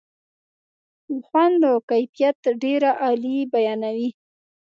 په خوند و کیفیت ډېره عالي بیانوي.